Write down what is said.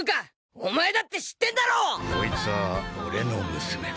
お前だって知ってんだろ⁉」「こいつは俺の娘だ」